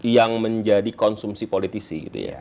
yang menjadi konsumsi politisi